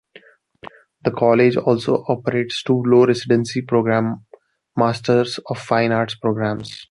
The College also operates two Low-residency program, Masters of Fine Arts programs.